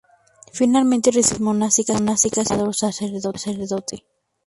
Finalmente recibió órdenes monásticas y fue ordenado sacerdote.